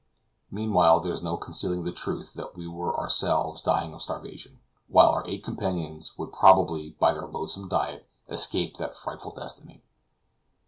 Meanwhile, there was no concealing the truth that we were ourselves dying of starvation, while our eight companions would probably, by their loathsome diet, escape that frightful destiny.